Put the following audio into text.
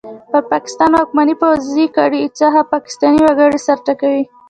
پر پاکستان واکمنې پوځي کړۍ څخه پاکستاني وګړي سر ټکوي!